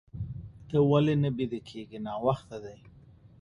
ته ولې نه بيده کيږې؟ ناوخته دي.